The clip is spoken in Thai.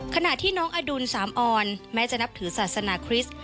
ขณะที่น้องอดุลสามออนแม้จะนับถือศาสนาคริสต์